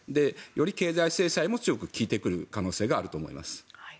より経済制裁も強く効いてくる可能性があると思います。